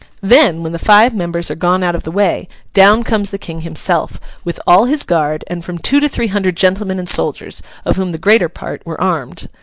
Then, when the five members are gone out of the way, down comes the King himself, with all his guard and from two to three hundred gentlemen and soldiers, of whom the greater part were armed.